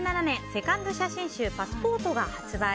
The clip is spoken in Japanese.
セカンド写真集「パスポート」が発売。